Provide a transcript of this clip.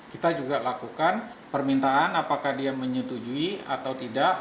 kita juga lakukan permintaan apakah dia menyetujui atau tidak